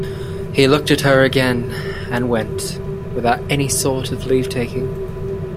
He looked at her again, and went, without any sort of leave-taking.